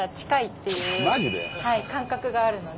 はい感覚があるので。